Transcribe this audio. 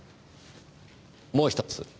もう一つ。